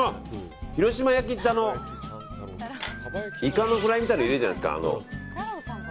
広島焼きってイカのフライみたいなの入れるじゃないですか。